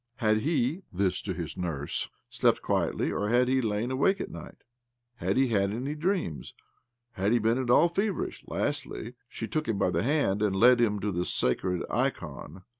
Had he (this to his nurse) slept quietly, or had he lain awake all night? Had he 'had any dreams? Had he been at all feverish? Lastly, she took him by OBLOMOV 89 the hand, and led him' to the sacred ikon.